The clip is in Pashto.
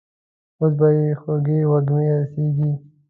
اوس به يې خوږې وږمې رسېږي.